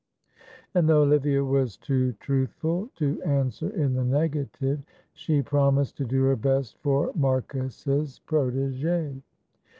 And though Olivia was too truthful to answer in the negative, she promised to do her best for Marcus's protégé.